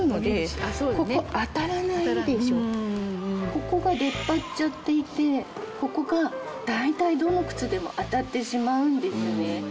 ここが出っ張っちゃっていてここが大体どの靴でも当たってしまうんですね。